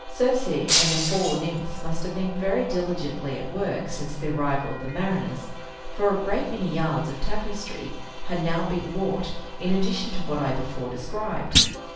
Circe and the four nymphs must have been very diligently at work since the arrival of the mariners; for a great many yards of tapestry had now been wrought, in addition to what I before described.